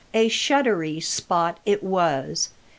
A shuddery spot it was!